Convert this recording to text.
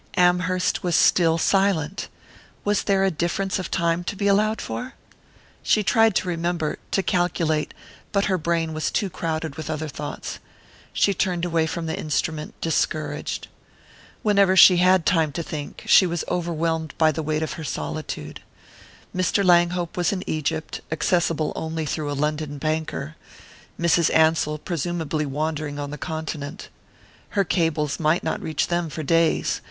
Amherst was still silent! Was there a difference of time to be allowed for? She tried to remember, to calculate, but her brain was too crowded with other thoughts.... She turned away from the instrument discouraged. Whenever she had time to think, she was overwhelmed by the weight of her solitude. Mr. Langhope was in Egypt, accessible only through a London banker Mrs. Ansell presumably wandering on the continent. Her cables might not reach them for days.